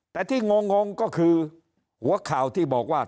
แต่ที่งงก็คือหัวข่าวที่บอกว่า